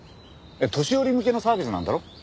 年寄り向けのサービスなんだろ？